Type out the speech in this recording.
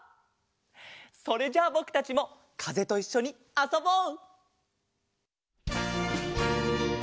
それじゃあぼくたちもかぜといっしょにあそぼう！